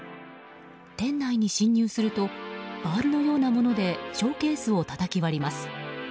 店内に侵入するとバールのようなものでショーケースをたたき割ります。